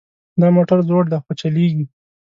دا موټر زوړ ده خو چلیږي